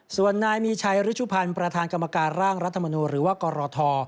ส่วนนายมีชัยรุชุพันธ์ประธานกรรมการร่างรัฐมนูลหรือว่ากรท